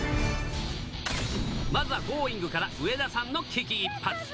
まずはＧｏｉｎｇ！から上田さんの危機一髪。